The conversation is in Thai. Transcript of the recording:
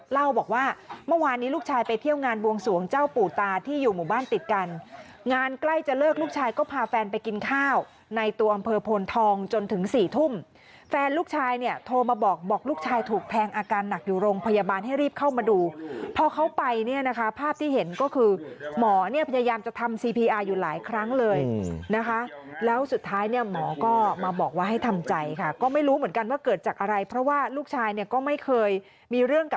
โรงเผอพลทองจนถึงสี่ทุ่มแฟนลูกชายเนี่ยโทรมาบอกบอกลูกชายถูกแพงอาการหนักอยู่โรงพยาบาลให้รีบเข้ามาดูพอเขาไปเนี่ยนะคะภาพที่เห็นก็คือหมอเนี่ยพยายามจะทำซีพีอาร์อยู่หลายครั้งเลยนะคะแล้วสุดท้ายเนี่ยหมอก็มาบอกว่าให้ทำใจค่ะก็ไม่รู้เหมือนกันว่าเกิดจากอะไรเพราะว่าลูกชายเนี่ยก็ไม่เคยมีเรื่องก